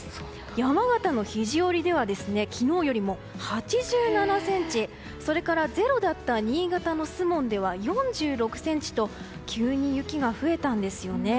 山形の肘折では昨日よりも８７ｃｍそれから０だった新潟の守門では４６ｃｍと急に雪が増えたんですよね。